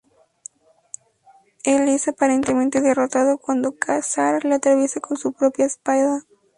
Él es aparentemente derrotado cuando Ka-Zar lo atraviesa con su propia espada.